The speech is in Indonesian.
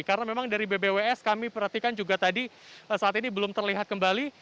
karena memang dari bbws kami perhatikan juga tadi saat ini belum terlihat kembali